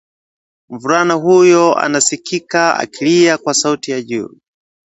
mvulana huyo anasikika akilia kwa sauti ya juu